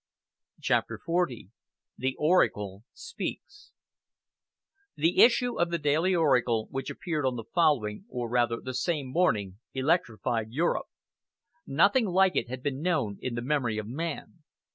CHAPTER XL THE ORACLE SPEAKS The issue of the Daily Oracle which appeared on the following, or rather the same, morning electrified Europe. Nothing like it had been known in the memory of man.